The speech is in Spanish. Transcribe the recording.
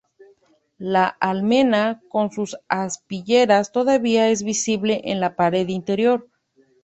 La almena con sus aspilleras todavía es visible en la pared interior.